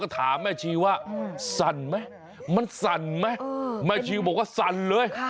ถามแม่ชีว่าสั่นไหมมันสั่นไหมแม่ชีบอกว่าสั่นเลย